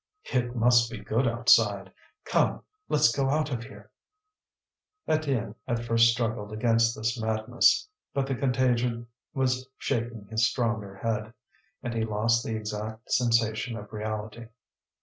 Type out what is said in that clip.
"It must be good outside. Come, let's go out of here." Étienne at first struggled against this madness. But the contagion was shaking his stronger head, and he lost the exact sensation of reality.